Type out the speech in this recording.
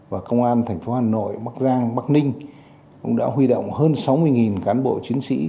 và công an thành phố hà nội bắc giang bắc ninh cũng đã huy động hơn sáu mươi cán bộ chiến sĩ